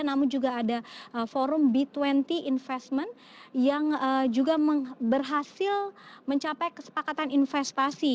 namun juga ada forum b dua puluh investment yang juga berhasil mencapai kesepakatan investasi